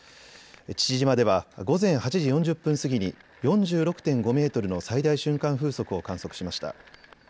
父島では午前８時４０分過ぎに４６．５メートルの最大瞬間風速を観測しました。